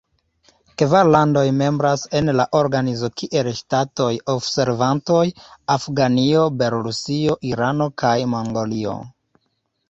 Kvar landoj membras en la organizo kiel ŝtatoj-observantoj: Afganio, Belorusio, Irano kaj Mongolio.